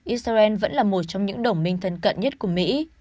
israel vẫn là một trong những đồng minh thân cận nhất của mỹ